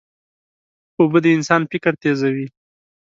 اوبه د انسان فکر تیزوي.